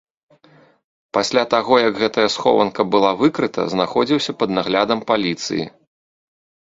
Пасля таго, як гэтая схованка была выкрыта, знаходзіўся пад наглядам паліцыі.